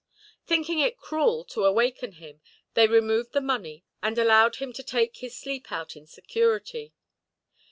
Thinking it cruel to awaken him, they removed the money, and allowed him to take his sleep out in security.